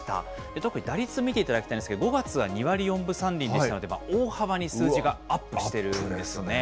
特に打率見ていただきたいんですけど、５月は２割４分３厘でしたので、大幅に数字がアップしてるんですよね。